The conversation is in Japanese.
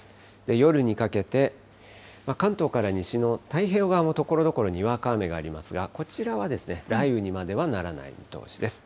夜にかけて、関東から西の太平洋側も、ところどころにわか雨がありますが、こちらは雷雨にまではならない見通しです。